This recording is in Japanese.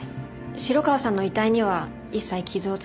城川さんの遺体には一切傷をつけていません。